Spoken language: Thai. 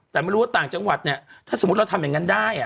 แต่ไม่รู้ว่าอสเนี่ยถ้าสมมติเราทำแบบนั้นได้